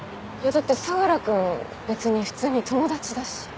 だって相良君別に普通に友達だし。